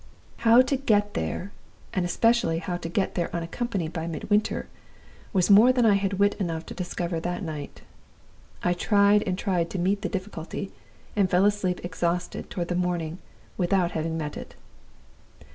"How to get there, and especially how to get there unaccompanied by Midwinter, was more than I had wit enough to discover that night. I tried and tried to meet the difficulty, and fell asleep exhausted toward the morning without having met it.